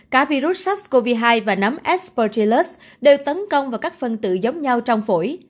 cả virus sars cov hai và nấm esperjialus đều tấn công vào các phân tự giống nhau trong phổi